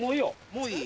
もういい？